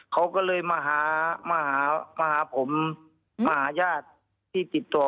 เขาก็เลยมาหาผมมาหาญาติที่ติดต่อ